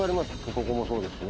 ここもそうですしね。